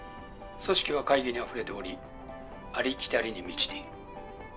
組織は会議にあふれておりありきたりに満ちている。